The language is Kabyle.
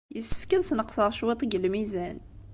Yessefk ad sneqseɣ cwiṭ deg lmizan.